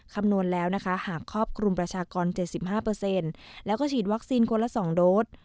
คำนวณแล้วนะคะหากครอบคลุมประชากร๗๕แล้วก็ฉีดวัคซีนคนละ๒โดส